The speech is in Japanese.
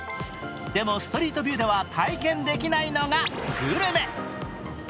でも、ストリートビューでは体験できないのがグルメ。